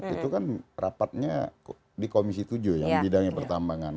itu kan rapatnya di komisi tujuh yang bidangnya pertambangan